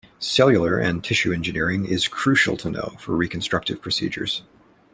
Cellular and tissue engineering is crucial to know for reconstructive procedures.